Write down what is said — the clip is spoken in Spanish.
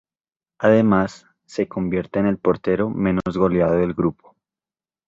Además, se convierte en el portero menos goleado del grupo.